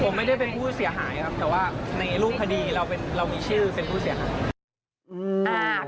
ผมไม่ได้เป็นผู้เสียหายครับแต่ว่าในรูปคดีเรามีชื่อเป็นผู้เสียหาย